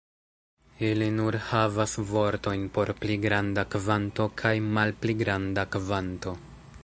Ili nur havas vortojn por "pli granda kvanto" kaj "malpli granda kvanto".